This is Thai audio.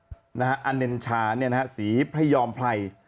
อันนเนชาสีพระยอมไพร